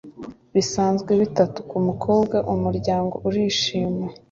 bisanzwe bitatu kumukobwa, umuryango urishima